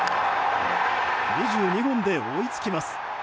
２２本で追いつきます。